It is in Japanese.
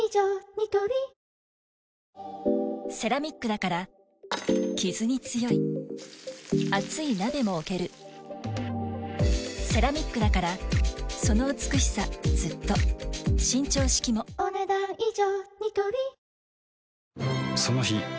ニトリセラミックだからキズに強い熱い鍋も置けるセラミックだからその美しさずっと伸長式もお、ねだん以上。